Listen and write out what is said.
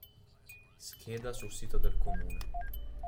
Scheda sul sito del comune